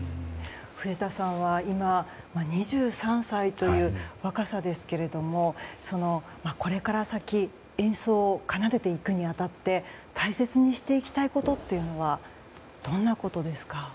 藤田さんは今、２３歳という若さですけれどもこれから先演奏を奏でていくに当たって大切にしていきたいことというのはどんなことですか？